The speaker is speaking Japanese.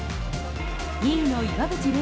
２位の岩渕麗